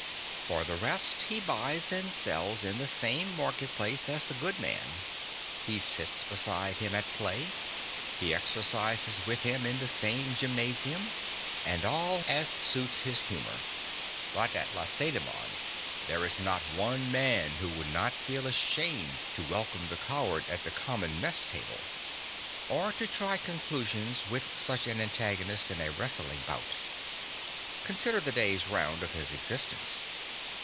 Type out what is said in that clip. For the rest he buys and sells in the same market place as the good man; he sits beside him at play; he exercises with him in the same gymnasium, and all as suits his humour. But at Lacedaemon there is not one man who would not feel ashamed to welcome the coward at the common mess tabe, or to try conclusions with such an antagonist in a wrestling bout. Consider the day's round of his existence.